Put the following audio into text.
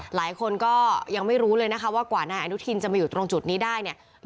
หลายคนก็ยังไม่รู้เลยนะคะว่ากว่านายอนุทินจะมาอยู่ตรงจุดนี้ได้เนี่ย